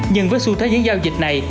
nhưng với xu thế những giao dịch này